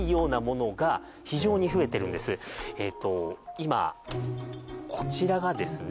今こちらがですね